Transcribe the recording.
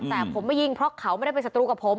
แต่ผมไม่ยิงเพราะเขาไม่ได้เป็นศัตรูกับผม